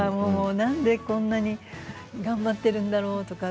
なんでこんなに頑張っているんだろうとか。